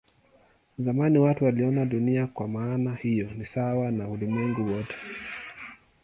Zamani watu waliona Dunia kwa maana hiyo ni sawa na ulimwengu wote.